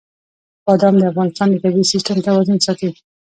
بادام د افغانستان د طبعي سیسټم توازن ساتي.